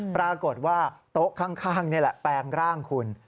ปรากฏว่าโต๊ะข้างนี่แหละแปลงร่างคุณ